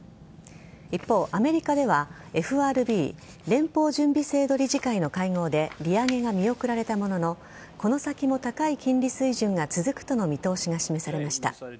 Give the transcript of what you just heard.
一方、アメリカではＦＲＢ＝連邦準備制度理事会の会合で利上げが見送られたもののこの先も高い金利水準が続くとの見通しが示されました。